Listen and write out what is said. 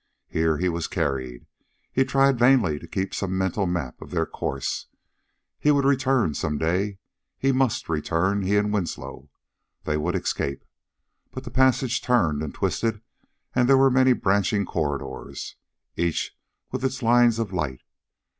Here he was carried. He tried vainly to keep some mental map of their course. He would return some day he must return he and Winslow. They would escape.... But the passage turned and twisted; there were many branching corridors, each with its lines of light.